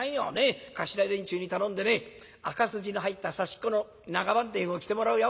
頭連中に頼んでね赤筋の入った刺子の長半纏を着てもらうよ。